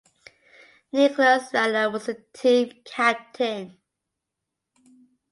Nicholas Mehler was the team captain.